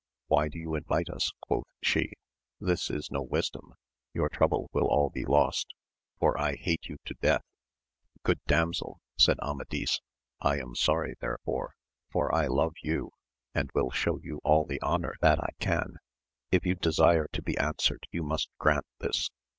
Why do you invite us ? quoth she ; this is no wisdom, your trouble wiU all be lost, . for I hate you to death. Good damsel, said Amadis, I am sorry therefore, for I love you, and will show you all the honour that I can ; if you desire to be answered you must grant this.